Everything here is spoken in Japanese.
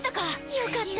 よかった。